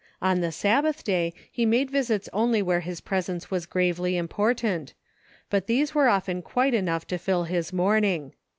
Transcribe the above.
On the Sabbath day he made visits only wliere his presence was gravely important, but these were often quite enough to fill his morning.